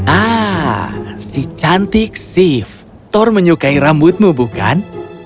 ah si cantik shift thor menyukai rambutmu bukan